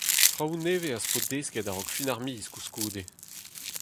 Traoù nevez az po desket a-raok fin ar miz koulskoude !